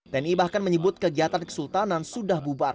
tni bahkan menyebut kegiatan kesultanan sudah bubar